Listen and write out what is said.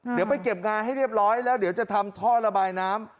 เดี๋ยวไปเก็บงานให้เรียบร้อยแล้วเดี๋ยวจะทำท่อระบายน้ำ